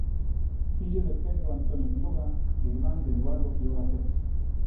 Fillo de Pedro Antonio Quiroga e irmán de Eduardo Quiroga Pérez.